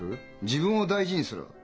自分を大事にする？